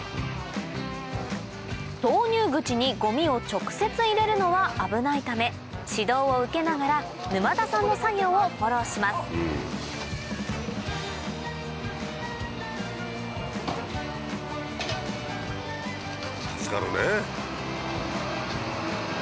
投入口にごみを直接入れるのは危ないため指導を受けながら沼田さんの作業をフォローします助かるね。